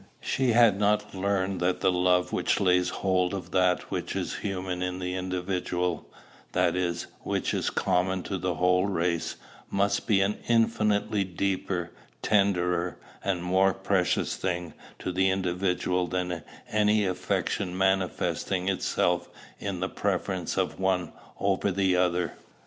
She had not learned that the love which lays hold of that which is human in the individual, that is, which is common to the whole race, must be an infinitely deeper, tenderer, and more precious thing to the individual than any affection manifesting itself in the preference of one over another.